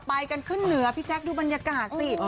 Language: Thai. ไปกันขึ้นเหนือพี่แจ๊คดูบรรยากาศสิ